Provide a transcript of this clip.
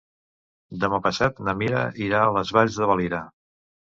Demà passat na Mira irà a les Valls de Valira.